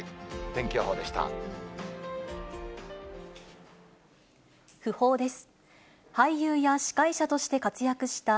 天気予報でした。